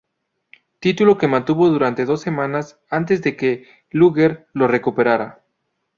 Título que mantuvo durante dos semanas antes de que Luger lo recuperara.